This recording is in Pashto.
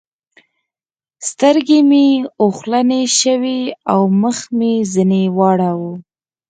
سترګې مې اوښلنې شوې او مخ مې ځنې واړاوو.